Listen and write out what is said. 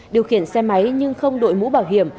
điều khiển xe máy nhưng không đội mũ bảo hiểm